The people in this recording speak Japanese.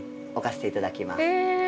へえ。